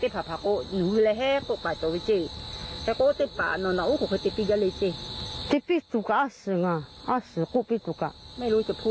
เราก็ยืนดันเนอะ